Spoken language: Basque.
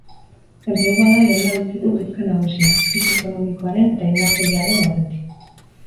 Enplegua da lehendabiziko kezka nagusia, krisi ekonomikoaren eta indarkeriaren aurretik.